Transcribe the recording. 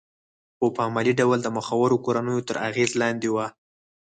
خو په عملي ډول د مخورو کورنیو تر اغېز لاندې وه